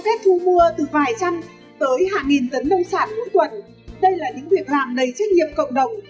đây là những biện pháp đầy trách nhiệm cộng đồng